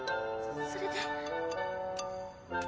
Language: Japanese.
それで。